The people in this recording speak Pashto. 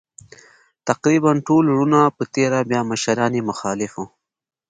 تقریباً ټول وروڼه په تېره بیا مشران یې مخالف وو.